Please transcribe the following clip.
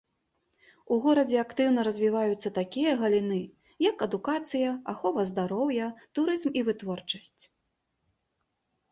У горадзе актыўна развіваюцца такія галіны, як адукацыя, ахова здароўя, турызм і вытворчасць.